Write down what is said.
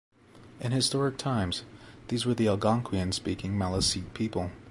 In historic times, these were the Algonquian-speaking Maliseet people.